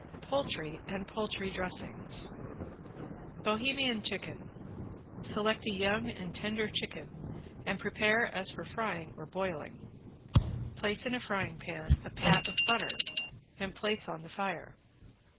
POULTRY AND POULTRY DRESSINGS ~BOHEMIAN CHICKEN~ Select a young and tender chicken and prepare as for frying or broiling. Place in a frying pan a pat of butter and place on the fire.